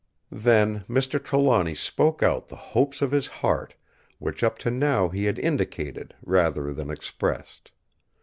Then Mr. Trelawny spoke out the hopes of his heart which up to now he had indicated rather than expressed.